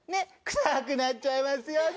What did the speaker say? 臭くなっちゃいますよね。